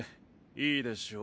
いいでしょう